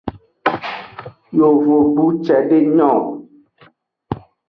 Yovogbu cedewo nyon.